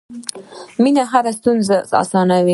مینه هره ستونزه اسانوي.